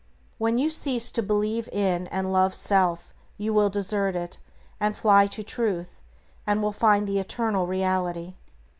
When you cease to believe in and love self you will desert it, and will fly to Truth, and will find the eternal Reality.